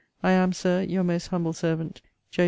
I am, Sir, Your most humble servant, J.